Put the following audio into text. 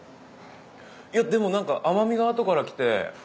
でも何か甘みが後から来て。